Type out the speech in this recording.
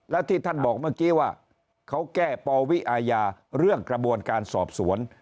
แล้วที่ท่านบอกเมื่อกี้ว่าเขาแก้ปวิอาญาเรื่องกระบวนการสอบสวน